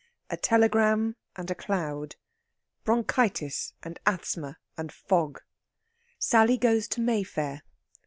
A TELEGRAM AND A CLOUD. BRONCHITIS AND ASTHMA AND FOG. SALLY GOES TO MAYFAIR.